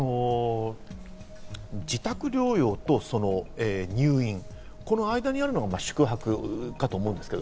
自宅療養と入院、この間にあるのが宿泊療養かと思うんですね。